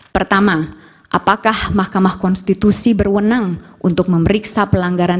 pertama apakah mahkamah konstitusi berwenang untuk memeriksa pelanggaran